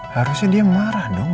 harusnya dia marah dong